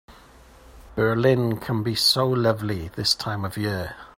Berlin can be so lovely this time of year.